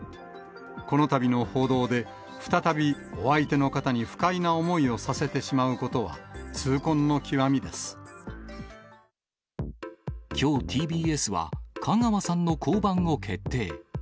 このたびの報道で、再びお相手の方に不快な思いをさせてしまうことは、痛恨の極みできょう、ＴＢＳは香川さんの降板を決定。